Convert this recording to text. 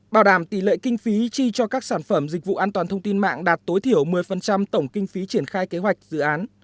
bảo đảm tỷ lệ kinh phí chi cho các sản phẩm dịch vụ an toàn thông tin mạng đạt tối thiểu một mươi tổng kinh phí triển khai kế hoạch dự án